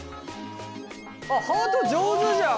あっハート上手じゃん。